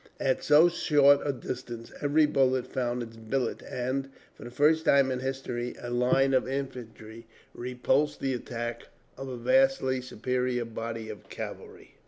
At so short a distance every bullet found its billet and, for the first time in history, a line of infantry repulsed the attack of a vastly superior body of cavalry.